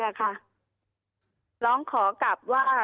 เจ้าหน้าที่แรงงานของไต้หวันบอก